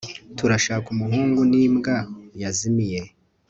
Turashaka umuhungu nimbwa yazimiye